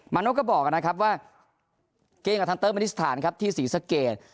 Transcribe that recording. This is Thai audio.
มาโน๊กก็บอกนะครับว่าเกมกับทันเติร์นบริษฐานที่ศรีสะเกด